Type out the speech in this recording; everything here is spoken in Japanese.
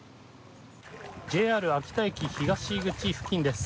ＪＲ秋田駅東口付近です。